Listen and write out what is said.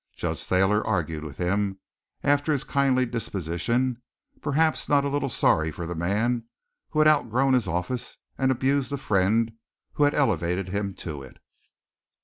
Judge Thayer argued with him, after his kindly disposition, perhaps not a little sorry for the man who had outgrown his office and abused the friend who had elevated him to it.